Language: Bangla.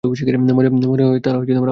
মনে হয় তারা আমার কথা শুনবে।